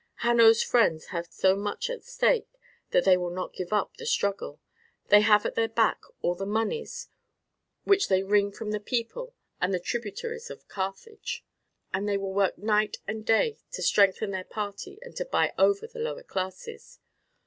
Hanno's friends have so much at stake that they will not give up the struggle. They have at their back all the moneys which they wring from the people and the tributaries of Carthage, and they will work night and day to strengthen their party and to buy over the lower classes.